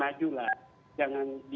menurut saya jangan dipinteri